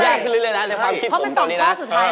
มันยากขึ้นเรื่อยนะในความคิดผมตอนนี้นะเพราะมัน๒ข้อสุดท้ายแล้ว